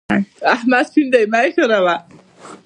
احمد شين دی؛ مه يې ښوروه.